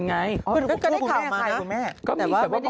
ก็ได้ถามมานะ